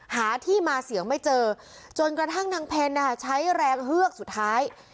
หาที่มาเสียงไม่เจอจนกระทั่งนางเพลใช้แรงเฮือกสุดท้าย